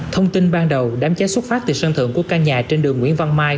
thông tin ban đầu đám cháy xuất phát từ sân thượng của căn nhà trên đường nguyễn văn mai